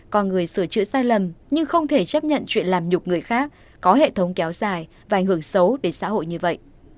còn người sửa chữa sai lầm nhưng không thể chấp nhận chuyện làm nhục người khác có hệ thống kéo dài và ảnh hưởng xấu đến xã hội như vậy